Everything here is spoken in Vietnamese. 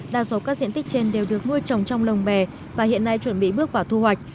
đa số các diện tích trên đều được nuôi trồng trong lồng bè và hiện nay chuẩn bị bước vào thu hoạch